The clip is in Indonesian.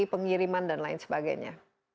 pengiriman dan lain sebagainya